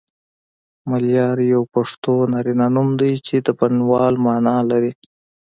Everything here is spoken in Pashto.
ملیار یو پښتو نارینه نوم دی چی د بڼوال معنی لری